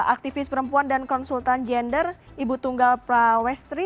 aktivis perempuan dan konsultan gender ibu tunggal prawestri